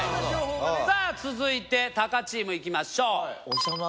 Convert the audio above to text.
さあ続いてたかチームいきましょう。